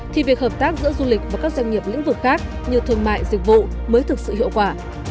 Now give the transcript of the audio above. thì việc hợp tác giữa du lịch và các doanh nghiệp lĩnh vực khác như thương mại dịch vụ mới thực sự hiệu quả